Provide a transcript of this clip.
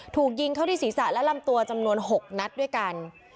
ถูกยิงเข้าที่ศีรษะและลำตัวจำนวน๖นัดด้วยกัน